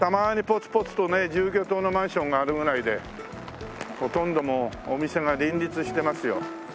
ぽつぽつとね住居棟のマンションがあるぐらいでほとんどもうお店が林立してますよ。